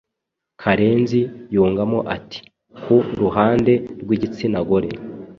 Karenzi yungamo ati: “Ku ruhande rw’igitsina gore,